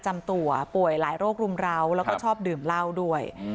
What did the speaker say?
จำตัวป่วยหลายโรครุมร้าวแล้วก็ชอบดื่มเหล้าด้วย